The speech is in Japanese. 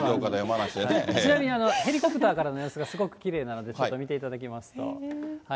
ちなみに、ヘリコプターからの様子がすごくきれいなので、見ていただきますと。